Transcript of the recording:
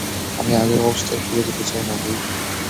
আমি আগের অবস্থায় ফিরে যেতে চাই না, হুইপ।